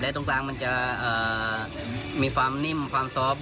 ตรงกลางมันจะมีความนิ่มความซอฟต์